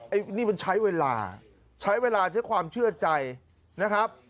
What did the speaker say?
อันนี้มันใช้เวลาใช้เวลาใช้ความเชื่อใจนะครับ